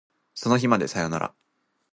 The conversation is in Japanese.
その日までさよなら